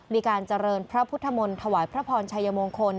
มีการเจริญพระพุทธมนต์ถวายพระพรชัยมงคล